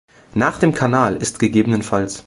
Nach dem Kanal ist ggf.